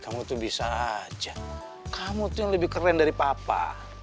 kamu tuh bisa aja kamu tuh yang lebih keren dari papa